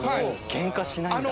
ケンカしないんだ。